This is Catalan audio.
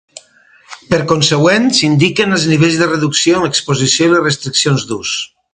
Per consegüent, s'indiquen els nivells de reducció en l'exposició i les restriccions d'ús.